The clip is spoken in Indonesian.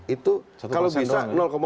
itu kalau bisa delapan puluh